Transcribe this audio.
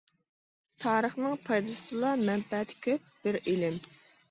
تارىخنىڭ پايدىسى تولا، مەنپەئەتى كۆپ بىر ئىلىم.